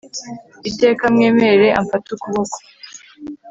iteka mwemerere amfate ukuboko